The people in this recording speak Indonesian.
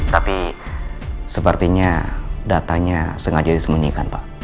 tapi sepertinya datanya sengaja disembunyikan pak